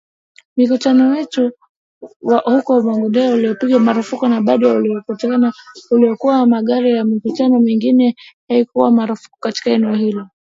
Mkutano wetu huko Marondera ulipigwa marufuku na bado mkutano ulikuwa kwenye magari na mikutano mingine haikupigwa marufuku katika eneo hilo hilo